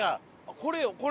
これこれ。